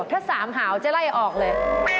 ถ้า๓หาวจะไล่ออกเลย